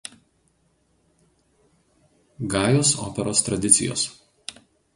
Gajos operos tradicijos.